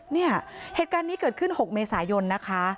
เนี่ยเหตุการณ์นี้เกิดขึ้น๖เมษายนนะคะ